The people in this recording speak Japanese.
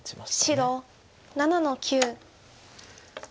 白７の九。